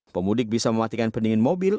pemudik bisa mematikan pendingin mobil